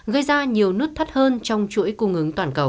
gây ra nhiều nút thắt hơn trong chuỗi cung ứng toàn cầu